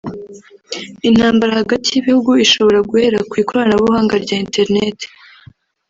…intambara hagati y’ibihugu ishobora guhera ku ikoranabuganga rya internet